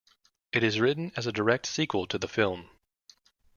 It is written as a direct sequel to the film.